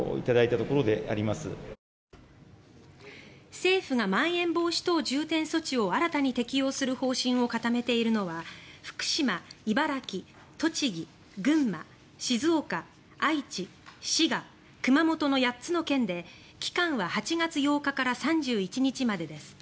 政府がまん延防止等重点措置を新たに適用する方針を固めているのは福島、茨城、栃木、群馬静岡、愛知、滋賀、熊本の８つの県で期間は８月８日から３１日までです。